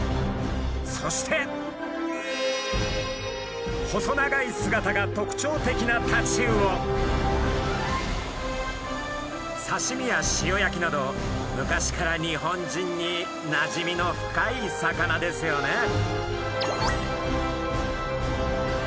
そして細長い姿が特徴的なさしみや塩焼きなど昔から日本人になじみの深い魚ですよね。